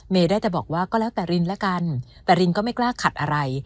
ได้แต่บอกว่าก็แล้วแต่รินแล้วกันแต่รินก็ไม่กล้าขัดอะไร